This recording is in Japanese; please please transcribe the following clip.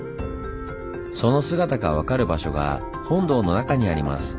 その姿が分かる場所が本堂の中にあります。